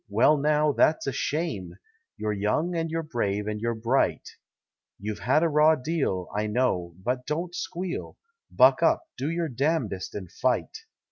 Well now, that's a shame! You're young and you're brave and you're bright. You've had a raw deal, I know, but don't squeal. Buck up, do your damnedest and fight!